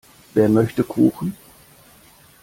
Wer möchte Kuchen?